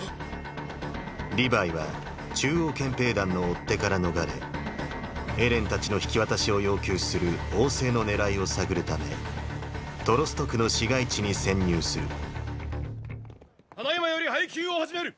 リヴァイは中央憲兵団の追っ手から逃れエレンたちの引き渡しを要求する王政の狙いを探るためトロスト区の市街地に潜入するただ今より配給を始める！